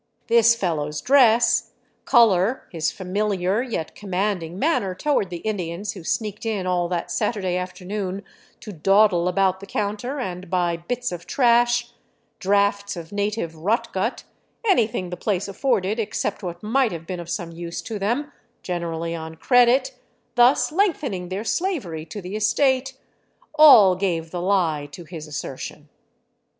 This fellow's dress, color, his familiar yet commanding man ner toward the Indians who sneaked in all that Saturday afternoon to dawdle about the counter and buy bits of trash, draughts of native " rot gut," anything the place afforded except what might have been of some use to them, generally on credit, thus lengthening their slavery to the estate, all gave the lie to his assertion.